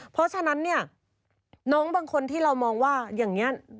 เพราะฉะนั้นเนี่ยน้องบางคนที่เรามองว่าอย่างนี้